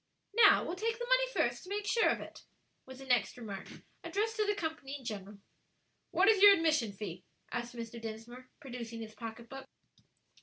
"Now, we'll take the money first to make sure of it," was the next remark, addressed to the company in general. "What is your admission fee?" asked Mr. Dinsmore, producing his pocketbook.